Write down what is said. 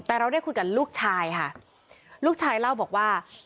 แต่เราได้คุยกับลูกชายค่ะลูกชายเล่าบอกว่า